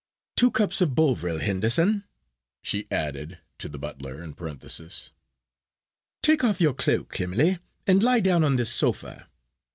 Two cups of Bovril, Henderson," she added to the butler, in a parenthesis. "Take off your cloak, Emily, and lie down on this sofa.